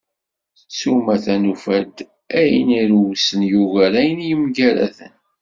S umata, nufa-d ayen irewsen yugar ayen yemgaraden.